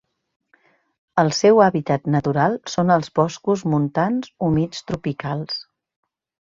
El seu hàbitat natural són els boscos montans humits tropicals.